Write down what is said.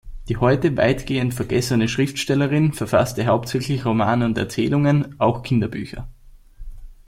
Die heute weitgehend vergessene Schriftstellerin verfasste hauptsächlich Romane und Erzählungen, auch Kinderbücher.